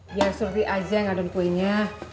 biar suri aja yang adon kuenya